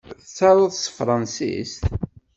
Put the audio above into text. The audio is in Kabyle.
Tettaruḍ s tefṛansist?